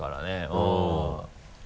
うん。